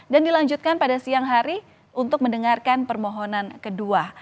dan dilanjutkan pada siang hari untuk mendengarkan permohonan kedua